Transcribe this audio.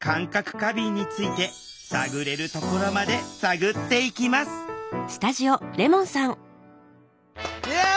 過敏について探れるところまで探っていきますイエイ！